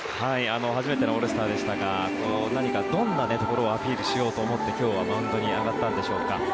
初めてのオールスターでしたがどんなところをアピールしようと思って今日はマウンドに上がったんでしょうか。